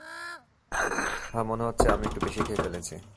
হ্যাঁ মনে হচ্ছে আমি একটু বেশি খেয়ে ফেলছি।